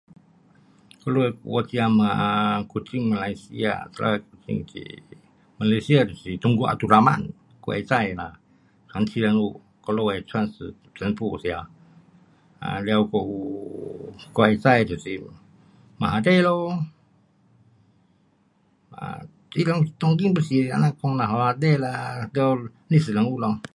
我们的国家嘛，古晋马来西亚，在古晋是，马来西亚就是 Tunku Abdul Rahman 我知道的啦，传奇人物，我们的创始全部时头，um 了还有我会知的是 Mahathir 咯，啊，他人当今就是这样讲啦，你啦就历史人物咯。